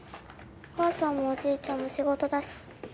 お母さんもおじいちゃんも仕事だし。